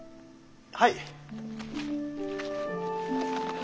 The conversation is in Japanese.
はい。